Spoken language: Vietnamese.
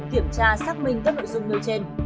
kiểm tra xác minh các nội dung nơi trên